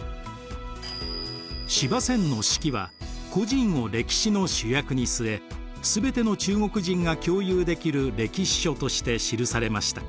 司馬遷の「史記」は個人を歴史の主役に据え全ての中国人が共有できる歴史書として記されました。